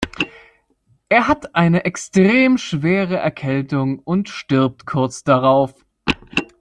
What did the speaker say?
Er hat eine extrem schwere Erkältung und stirbt kurz darauf.